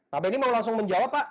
pak benny mau langsung menjawab pak